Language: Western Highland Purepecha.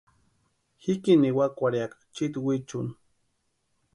Jikini ewakwarhiaka chiti wichuni.